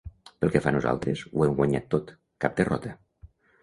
Pel que fa a nosaltres, ho hem guanyat tot; cap derrota.